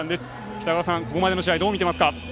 きたがわさん、ここまでの試合どう見ていますか？